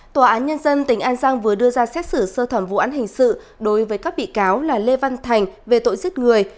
tòa án nhân dân tỉnh an giang vừa đưa ra xét xử sơ thẩm vụ án hình sự đối với các bị cáo là lê văn thành về tội giết người